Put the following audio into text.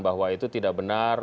bahwa itu tidak benar